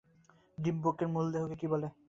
ডিম্বকের মূল দেহকে কী বলে?